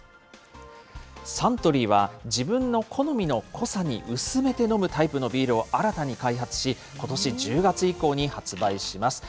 サントリーは、自分の好みの濃さに薄めて飲むタイプのビールを新たに開発し、ことし１０月以降に発売します。